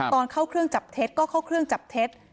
ตอนเข้าเครื่องจับเท็จก็เข้าเครื่องจับเท็จ